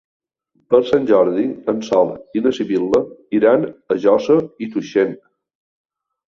Per Sant Jordi en Sol i na Sibil·la iran a Josa i Tuixén.